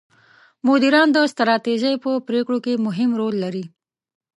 مدیران د ستراتیژۍ په پرېکړو کې مهم رول لري.